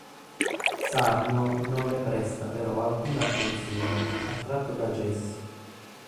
Sarno non le presta però alcuna attenzione, attratto da Jesse.